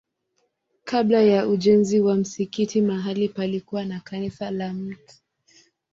Kabla ya ujenzi wa msikiti mahali palikuwa na kanisa la Mt.